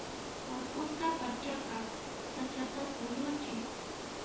Warkusqa p'achaqa sach'ata kuyuchin.